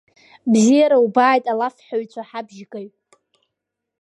Бзиара убааит, алафҳәаҩцәа Ҳабжьгаҩ!